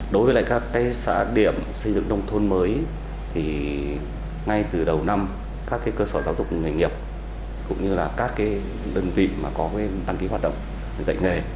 đối với các xã điểm xây dựng nông thôn mới thì ngay từ đầu năm các cơ sở giáo dục nghề nghiệp cũng như là các đơn vị mà có đăng ký hoạt động dạy nghề